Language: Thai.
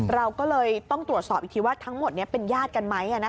เราก็เลยต้องตรวจสอบอีกทีว่าทั้งหมดนี้เป็นญาติกันไหม